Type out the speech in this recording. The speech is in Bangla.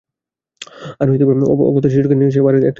অগত্যা শিশুটিকে নিয়ে সে এক পাহাড়ের এক-তৃতীয়াংশ উপরে গিয়ে উঠে।